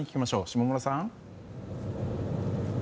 下村さん。